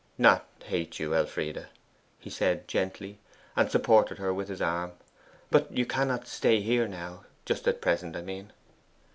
'Not hate you, Elfride,' he said gently, and supported her with his arm. 'But you cannot stay here now just at present, I mean.